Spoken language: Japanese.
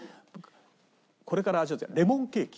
これから味を付けレモンケーキ！